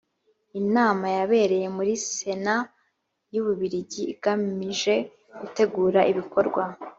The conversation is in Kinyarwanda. inama yabereye muri sena y ububiligi igamije gutegura ibikorwa